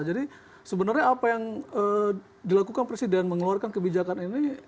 jadi sebenarnya apa yang dilakukan presiden mengeluarkan kebijakan ini